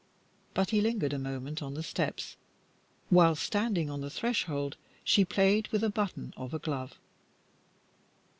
But he lingered a moment on the steps while, standing on the threshold, she played with a button of a glove.